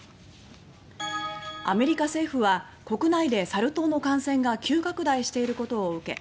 アメリカ政府は国内でサル痘の感染が急拡大していることを受け